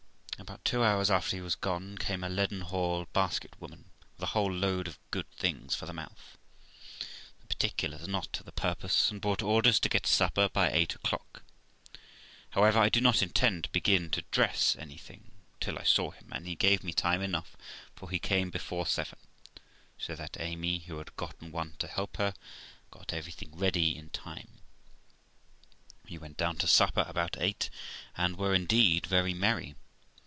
About two hours after he was gone, came a Leadenhall basket woman, with a whole load of good things for the mouth (the particulars are not to the purpose), and brought orders to get supper by eight o'clock. How ever, I did not intend to begin to dress anything till I saw him ; and he gave me time enough, for he came before seven, so that Amy, who had gotten one to help her, got everything ready in time. We sat down to supper about eight, and were indeed very merry.